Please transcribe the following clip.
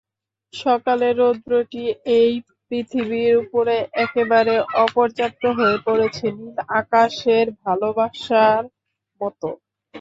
সকালের রৌদ্রটি এই পৃথিবীর উপরে একেবারে অপর্যাপ্ত হয়ে পড়েছে, নীল আকাশের ভালোবাসার মতো।